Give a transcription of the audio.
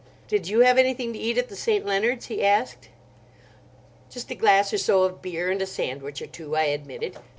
"Did you have anything to eat at the St. Leonards'?" he asked. "Just a glass or so of beer and a sandwich or two," I admitted.